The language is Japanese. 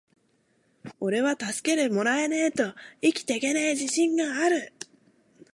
｢おれは助けてもらわねェと生きていけねェ自信がある!!!｣